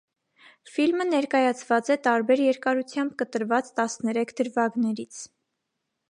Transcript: Ֆիլմը ներկայացված է տարբեր երկարությամբ կտրված տասներեք դրվագներից։